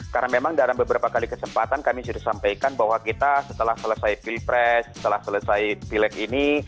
karena memang dalam beberapa kali kesempatan kami sudah sampaikan bahwa kita setelah selesai pilpres setelah selesai pileg ini